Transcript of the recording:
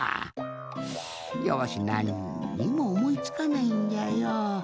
いやわしなんにもおもいつかないんじゃよ。